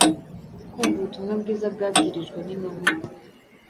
kumva ubutumwa bwiza bwabwirijwe n’intumwa.